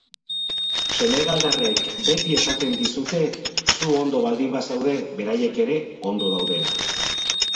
Senegaldarrek beti esaten dizute zu ondo baldin bazaude, beraiek ere ondo daudela.